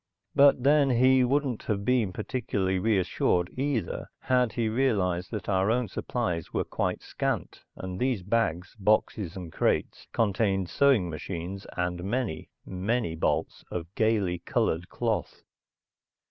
But then he wouldn't have been particularly reassured, either, had he realized that our own supplies were quite scant and these bags, boxes, and crates contained sewing machines and many, many bolts of gaily colored cloth.